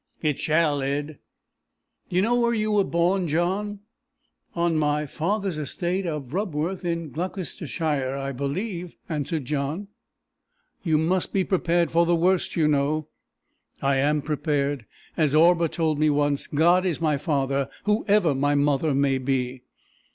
"It shall, Ed!" "You know where you were born, John?" "On my father's estate of Rubworth in Gloucestershire, I believe" answered John. "You must be prepared for the worst, you know!" "I am prepared. As Orba told me once, God is my father, whoever my mother may be!"